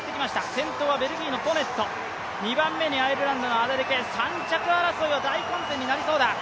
先頭はベルギーのポネット、２番目にアイルランドのアデレケ、３着争いは大混戦になりそうだ。